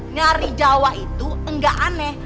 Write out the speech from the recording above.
nyari jawa itu enggak aneh